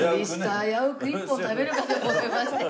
危うく１本食べるかと思いましたよ。